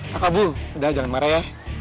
kakak bu udah jangan marah ya